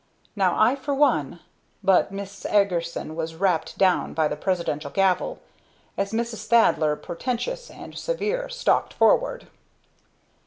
Now I for one " but Miss Eagerson was rapped down by the Presidential gavel; as Mrs. Thaddler, portentous and severe, stalked forward.